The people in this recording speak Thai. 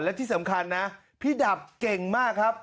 และที่สำคัญนะพี่ดับเก่งมากครับ